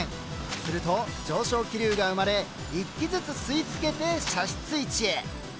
すると上昇気流が生まれ１機ずつ吸い付けて射出位置へ。